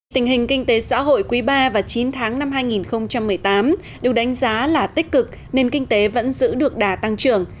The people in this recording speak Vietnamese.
tình hình kinh tế xã hội quý ba và chín tháng năm hai nghìn một mươi tám được đánh giá là tích cực nên kinh tế vẫn giữ được đà tăng trưởng